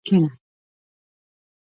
• د چای لپاره کښېنه.